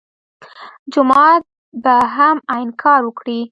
جومات به هم عین کار وکړي.